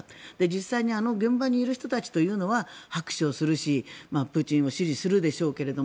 実際にあの現場にいる人たちというのは拍手をするしプーチンを支持するでしょうけど